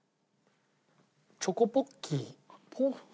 チョコポッキー。